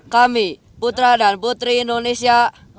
kami putra dan putri indonesia